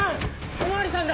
お巡りさんだ！